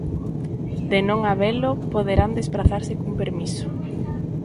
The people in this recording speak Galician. De non habelo, poderán desprazarse cun permiso.